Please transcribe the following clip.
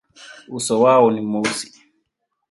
Uso wao ni mweusi.